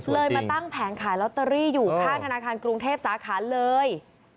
มาตั้งแผงขายลอตเตอรี่อยู่ข้างธนาคารกรุงเทพสาขาเลย